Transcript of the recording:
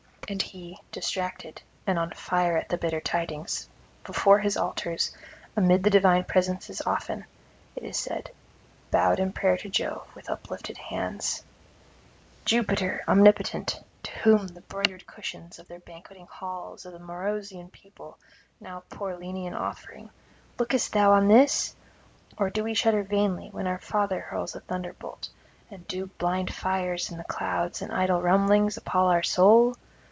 And he, distracted and on fire at the bitter tidings, before his altars, amid the divine presences, often, it is said, bowed in prayer to Jove with uplifted hands: 'Jupiter omnipotent, to whom from the broidered cushions of their banqueting halls the Maurusian people now pour Lenaean offering, lookest thou on this? or do we shudder vainly when our father hurls the thunderbolt, and do blind fires in the clouds and idle rumblings appal our soul?